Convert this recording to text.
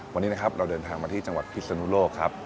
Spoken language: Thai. วันนี้นะครับเราเดินทางมาที่จังหวัดพิศนุโลกครับ